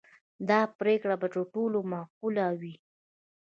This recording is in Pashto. دا پرېکړه به تر ټولو معقوله وي.